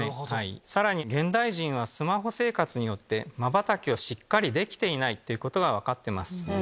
さらに現代人はスマホ生活によってまばたきをしっかりできていないことが分かってます。